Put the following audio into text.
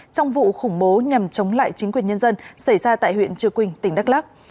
trong vụ khủng bố nhằm chống lại chính quyền nhân dân xảy ra tại huyện trừ quỳnh tỉnh đắk lắc